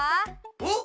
おっ？